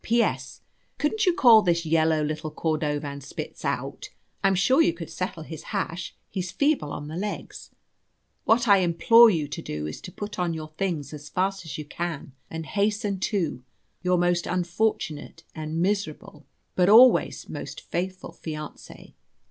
"P.S. Couldn't you call this yellow little Cordovanspitz out? I'm sure you could settle his hash. He's feeble on his legs. "What I implore you to do is to put on your things as fast as you can and hasten to "Your most unfortunate and miserable, "But always most faithful fiancée.